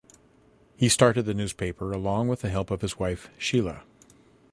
He started the newspaper along with the help of his wife Sheila.